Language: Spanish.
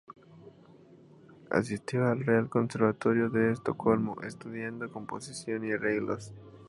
Asistió al Real Conservatorio de Estocolmo, estudiando composición y arreglos.